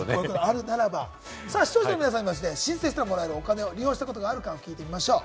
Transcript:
視聴者の皆さんにも申請したらもらえるお金を利用したことがあるか聞いてみましょう。